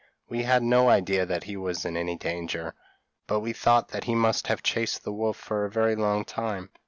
We had no idea that he was in any danger, but we thought that he must have chased the wolf for a very long time.